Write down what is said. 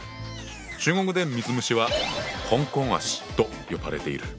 中国で「水虫」はと呼ばれている。